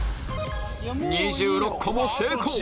２６個も成功！